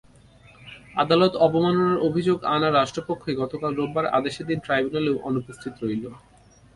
আদালত অবমাননার অভিযোগ আনা রাষ্ট্রপক্ষই গতকাল রোববার আদেশের দিনে ট্রাইব্যুনালে অনুপস্থিত রইল।